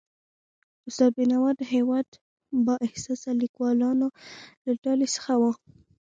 استاد بینوا د هيواد د با احساسه لیکوالانو له ډلې څخه و.